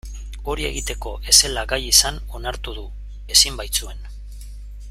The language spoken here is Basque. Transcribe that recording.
Hori egiteko ez zela gai izan onartu du, ezin baitzuen.